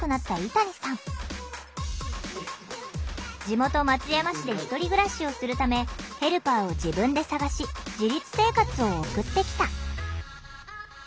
地元松山市で１人暮らしをするためヘルパーを自分で探し自立生活を送ってきた。